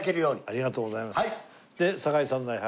ありがとうございます。